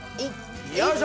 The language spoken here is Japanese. よいしょ！